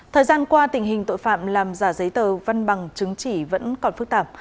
thời gian qua tình hình tội phạm làm giả giấy tờ văn bằng chứng chỉ vẫn còn phức tạp